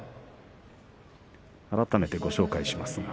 改めてご紹介します。